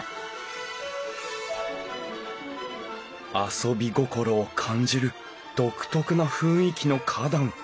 遊び心を感じる独特な雰囲気の花壇。